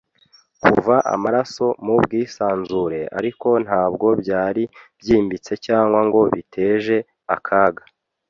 kuva amaraso mu bwisanzure, ariko ntabwo byari byimbitse cyangwa ngo biteje akaga,